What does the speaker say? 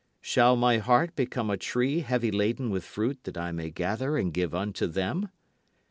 Shall my heart become a tree heavy laden with fruit that I may gather and give unto them?